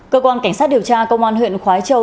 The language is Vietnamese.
cơ quan cảnh sát điều tra công an huyện khói châu